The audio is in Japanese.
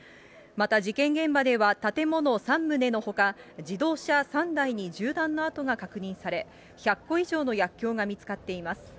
また事件現場では建物３棟のほか、自動車３台に銃弾の痕が確認され、１００個以上の薬きょうが見つかっています。